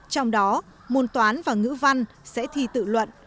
trong đó môn toán và ngữ văn sẽ thi tự luận